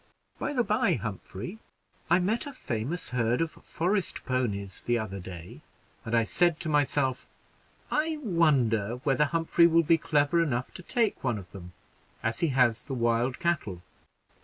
By the by Humphrey, I met a famous herd of forest ponies the other day, and I said to myself, 'I wonder whether Humphrey will be clever enough to take one of them, as he has the wild cattle?'